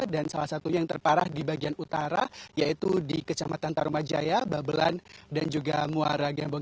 dan salah satunya yang terparah di bagian utara yaitu di kecamatan tarumajaya babelan dan juga muara gambong